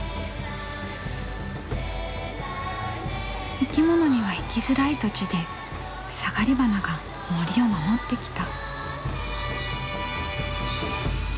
生き物には生きづらい土地でサガリバナが森を守ってきた。